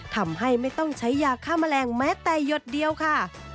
ทำให้ไม่ต้องใช้ยาฆ่าแมลงแม้แต่หยดเดียวค่ะ